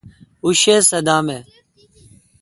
اوں شہ صدام اؘ ۔